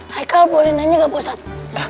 haikal boleh nanya nggak pak ustadz